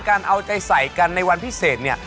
เอาใจใส่กันในวันพิเศษเนี่ย